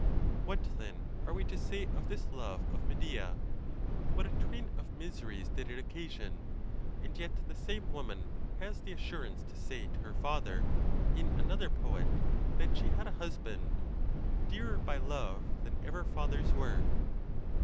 What, then, are we to say of this love of Medea ?—what a train of miseries did it occasion! And yet the same woman has the assurance to say to her father, in another poet, that she had a husband Dearer by love than ever fathers were.